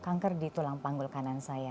kanker di tulang panggul kanan saya